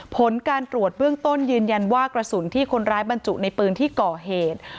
ผลการตรวจเบื้องต้นยืนยันว่ากระสุนที่คนร้ายบรรจุในปืนที่ก่อเหตุ